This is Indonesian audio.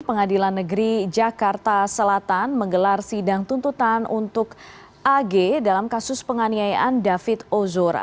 pengadilan negeri jakarta selatan menggelar sidang tuntutan untuk ag dalam kasus penganiayaan david ozora